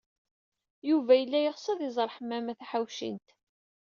Yuba yella yeɣs ad tẓer Ḥemmama Taḥawcint.